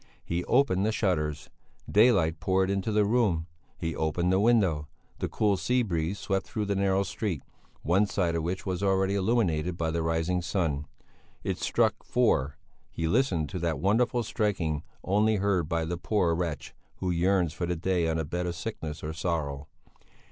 He opened the shutters daylight poured into the room; he opened the window; the cool sea breeze swept through the narrow street, one side of which was already illuminated by the rising sun. It struck four, he listened to that wonderful striking only heard by the poor wretch who yearns for the day on a bed of sickness or sorrow.